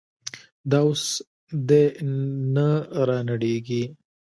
دا اوس دې نه رانړېږي.